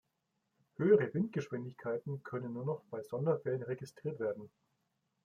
Höhere Windgeschwindigkeiten können nur noch bei Sonderfällen registriert werden.